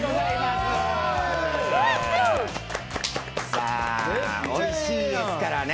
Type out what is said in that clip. さあおいしいですからね。